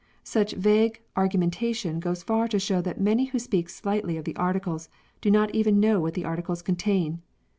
Such vague argumentation goes far to show that many who speak slightly of the Articles do not even know what the Articles contain